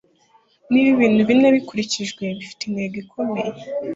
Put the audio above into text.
niba ibintu bine bikurikijwe - bifite intego ikomeye